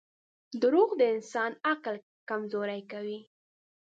• دروغ د انسان عقل کمزوری کوي.